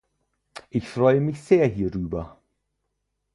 Ich freue mich sehr hierüber.